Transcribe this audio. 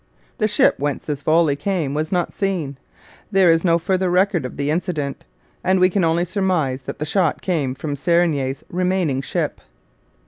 The ship whence this volley came was not seen; there is no further record of the incident, and we can only surmise that the shot came from Serigny's remaining ship.